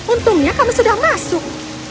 untungnya kami sudah masuk